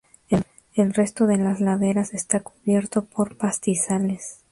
El resto de las laderas está cubierto por pastizales.